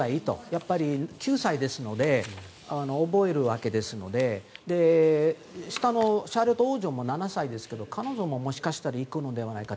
やっぱり９歳ですので覚えるわけですので下のシャーロット王女も７歳ですが彼女も、もしかしたら行くのではないか。